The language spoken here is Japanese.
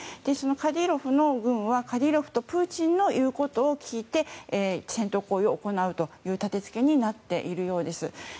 カディロフの軍はカディロフとプーチンの言うことを聞いて戦闘行為を行うという立て付けになっているようです。